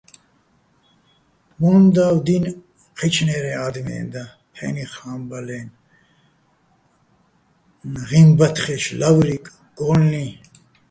მო́ნდავ დი́ნ ჴეჩნა́ჲრეჼ ა́დმეჼ და, ფე́ნიხ ჰა́მბალაჲნი̆, ღიმბათხეშ, ლავრიკ, გო́ლლიჼ.